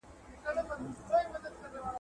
په پښتو کي چي کوم رښتیا دي، هغه بل ځای نسته